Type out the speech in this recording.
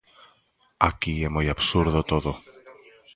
Aquí é moi absurdo todo.